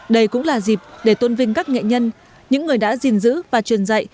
đây cũng là dịp để tôn vinh các nghệ nhân những người đã gìn giữ và truyền dạy